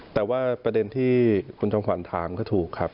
แต่ว่าประเด็นที่คุณจอมขวัญถามก็ถูกครับ